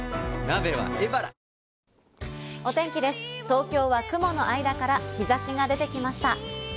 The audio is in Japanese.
東京は雲の間から日差しが出てきました。